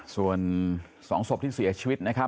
ส่วน๒ศพที่เสียชีวิต